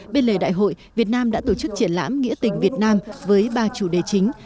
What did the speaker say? bên lề đại hội việt nam đã tổ chức triển lãm nghĩa tình việt nam với ba chủ đề chính